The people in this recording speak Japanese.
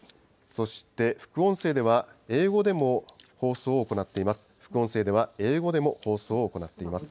そして、副音声では、英語でも放送を行っています。